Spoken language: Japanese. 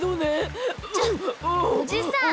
ちょっおじさん